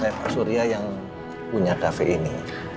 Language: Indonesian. oleh pak surya yang punya kafe ini